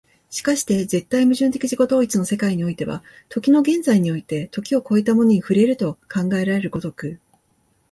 而して絶対矛盾的自己同一の世界においては、時の現在において時を越えたものに触れると考えられる如く、